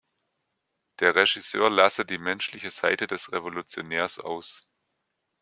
Der Regisseur lasse die menschliche Seite des Revolutionärs aus.